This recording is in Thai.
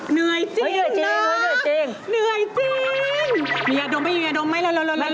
หมูตำหายแล้วอุ๊ย